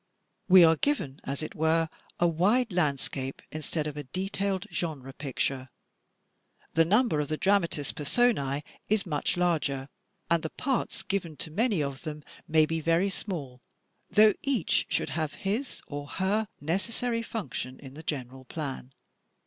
We are given, as it were, a wide landscape instead of a detailed genre picture. The number of the dramatis personce is much larger, and the parts given to many of them may be very small, though each should have his or her necessary function in the general plan.